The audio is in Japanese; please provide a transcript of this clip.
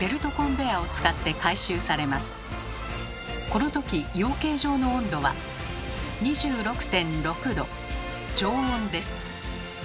このとき養鶏場の温度は２６．６℃常温です。